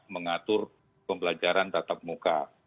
mengatur pembelajaran tatap muka